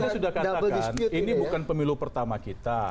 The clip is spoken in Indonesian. saya sudah katakan ini bukan pemilu pertama kita